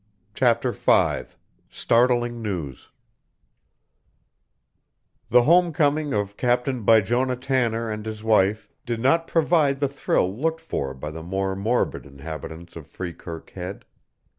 CHAPTER V STARTLING NEWS The home coming of Captain Bijonah Tanner and his wife did not provide the thrill looked for by the more morbid inhabitants of Freekirk Head.